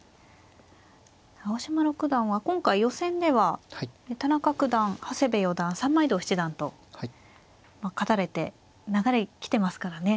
青嶋六段は今回予選では田中九段長谷部四段三枚堂七段と勝たれて流れ来てますからね。